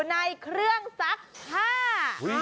ในเครื่องซักผ้า